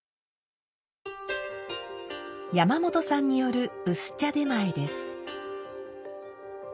山本さんによる薄茶点前です。